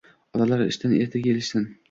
Otalar ishdan erta kelishsin